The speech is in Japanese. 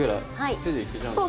手でいけちゃうんですね。